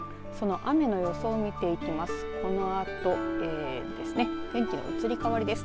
その雨の予想を見ていきます。